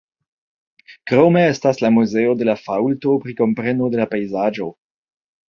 Krome estas la Muzeo de la Faŭlto pri kompreno de la pejzaĝo.